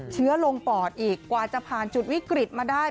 เชื้อลงปอดอีกกว่าจะผ่านจุดวิกฤตมาได้